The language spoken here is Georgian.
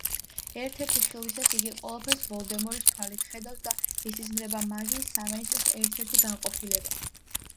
ერთ-ერთი ხილვისას იგი ყველაფერს ვოლდემორის თვალით ხედავს და ესიზმრება მაგიის სამინისტროს ერთ-ერთი განყოფილება.